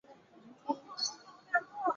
帕妮丝被岛上的人们称作天使。